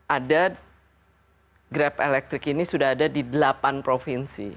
ada grab elektrik ini sudah ada di delapan provinsi